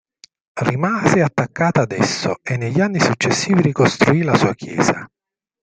Rimase attaccata ad esso, e negli anni successivi ricostruì la sua chiesa.